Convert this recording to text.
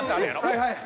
はいはい。